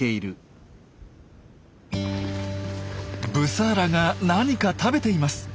ブサーラが何か食べています。